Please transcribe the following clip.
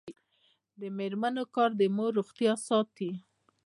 د میرمنو کار د مور روغتیا ساتي.